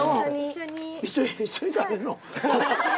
一緒に食べるの？